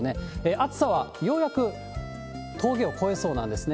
暑さはようやく峠を越えそうなんですね。